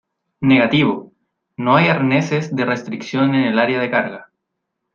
Negativo. No hay arneses de restricción en el área de carga .